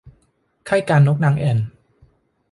ไข้กาฬนกนางแอ่น